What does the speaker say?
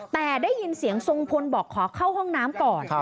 แต่ได้ยินเสียงทรงพลบอกขอเข้าห้องน้ำก่อน